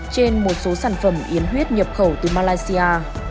trên một số sản phẩm yến huyết nhập khẩu từ malaysia